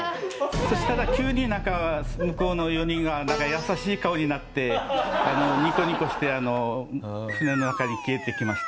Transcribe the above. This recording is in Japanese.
そしたら急に向こうの４人が優しい顔になってニコニコして船の中に消えていきました。